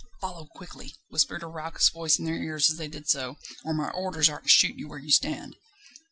"Follow quietly!" whispered a raucous voice in their ears as they did so, "or my orders are to shoot you where you stand."